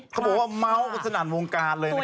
เขาบอกว่าเมาส์กันสนั่นวงการเลยนะครับ